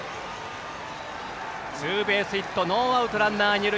ツーベースヒットノーアウトランナー、二塁。